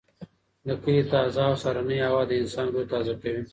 د کلي تازه او سهارنۍ هوا د انسان روح تازه کوي.